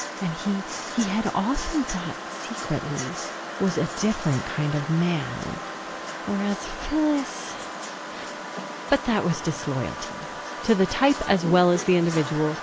And he, he had often thought secretly, was a different kind of man. Whereas Phyllis.... But that was disloyalty to the type as well as the individual.